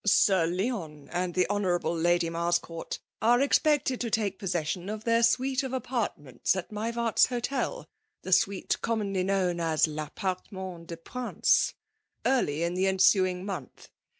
'*'< Sir Leon and the Hon. Lady Marscooi^ are expected to take possession tS their suite .of apartments at Mivart's Hotel (the suite commonly known as tappartement des Prmces) early in the ensuing month.